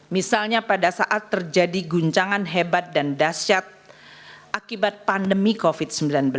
misalnya pada saat terjadi guncangan hebat dan dasyat akibat pandemi covid sembilan belas